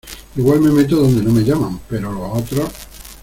igual me meto donde no me llaman, pero los otros